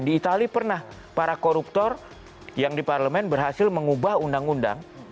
di itali pernah para koruptor yang di parlemen berhasil mengubah undang undang